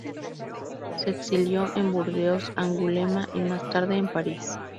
Se exilió en Burdeos, Angulema y más tarde en París.